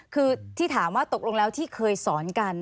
คือที่ถามว่าตกลงแล้วที่เคยสอนกัน